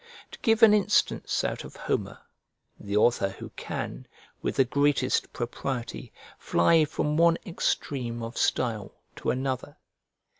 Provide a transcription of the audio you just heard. To give an instance out of Homer, the author who can, with the greatest propriety, fly from one extreme of style to another.